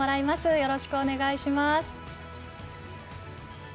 よろしくお願いします。